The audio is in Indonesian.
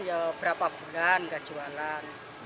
terus untuk mencukupi perekonomian keluarga gimana bu kan nggak jualan